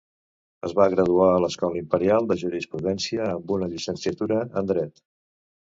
Es va graduar a l'Escola Imperial de Jurisprudència amb una llicenciatura en Dret.